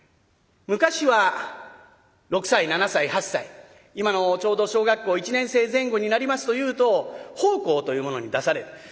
昔は６歳７歳８歳今のちょうど小学校１年生前後になりますというと奉公というものに出される。